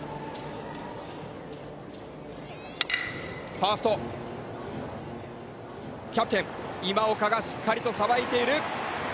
ファースト、キャプテン今岡がしっかりとさばいている。